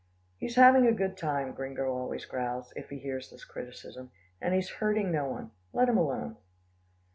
"He's having a good time," Gringo always growls, if he hears this criticism, "and he's hurting no one. Let him alone."